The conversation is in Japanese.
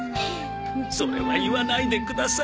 それは言わないでください。